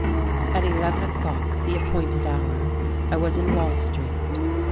At eleven o'clock, the appointed hour, I was in Wall Street.